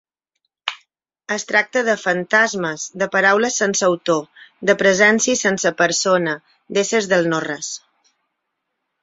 Es tracta de fantasmes, de paraules sense autor, de presències sense persona, d'éssers del no-res.